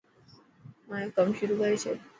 مايو ڪم شروح ڪري ڇڏ.